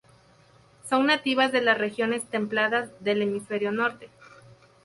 Son nativas de las regiones templadas del hemisferio norte.